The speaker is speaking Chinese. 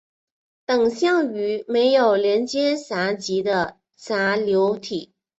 等效于没有连接闸极的闸流体。